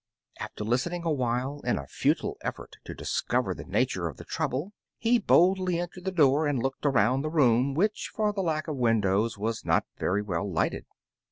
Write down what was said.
After listening 26 Impty Umpty awhile in a futile effort to discover the nar ture of the trouble, he boldly entered the door, and looked around the room which, for the lack of windows, was not very well lighted.